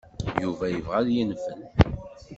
Yuba yebɣa ad yenfel.